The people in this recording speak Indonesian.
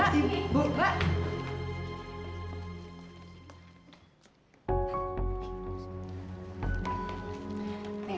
sisi bu mbak